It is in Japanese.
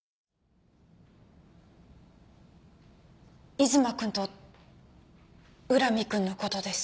出馬君と浦美君のことです。